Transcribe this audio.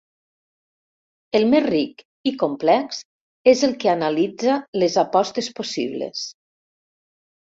El més ric i complex és el que analitza les apostes possibles.